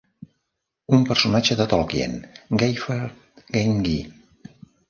Un personatge de Tolkien, Gaffer Gamgee.